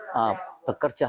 bekerja seperti ini